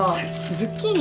ズッキーニ。